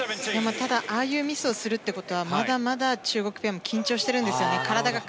ただああいうミスをするってことはまだまだ中国ペアも緊張してるんですよね。